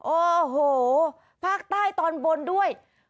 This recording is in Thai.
โอ้โหภาคใต้ตอนบนด้วย